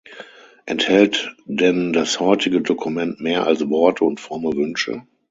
Enthält denn das heutige Dokument mehr als Worte und fromme Wünsche?